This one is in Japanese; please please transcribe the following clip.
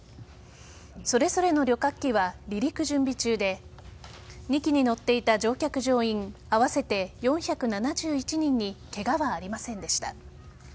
それぞれの旅客機は離陸準備中で２機に乗っていた乗客乗員、合わせて４７１人にケガはありませんでした。